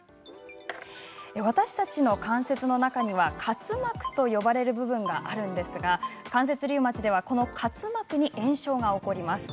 私たちの関節の中には滑膜と呼ばれる部分があるんですが関節リウマチではこの滑膜に炎症が起こります。